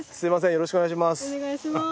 よろしくお願いします。